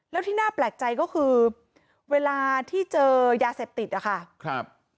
แล้วที่น่าแปลกใจก็คือเวลาที่เจอยาเสพติดอะค่ะครับ